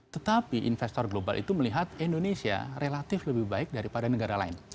tetapi investor global itu melihat indonesia relatif lebih baik daripada negara lain